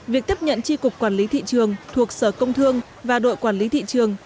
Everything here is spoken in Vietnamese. việc tiếp nhận tri cục quản lý thị trường thuộc sở công thương và đội quản lý thị trường